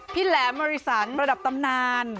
แหลมมริสันระดับตำนาน